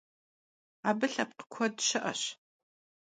Abı lhepkh kued şı'eş.